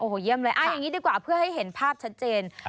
โอ้โหเยี่ยมเลยอย่างนี้ดีกว่าเพื่อให้เห็นภาพชัดเจน